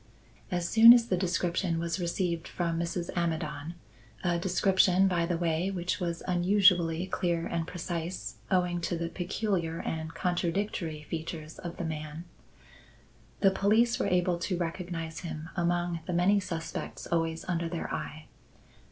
As soon as the description was received from Mrs. Amidon (a description, by the way, which was unusually clear and precise, owing to the peculiar and contradictory features of the man), the police were able to recognize him among the many suspects always under their eye.